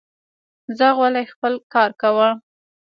ځه غولی خپل کار کوه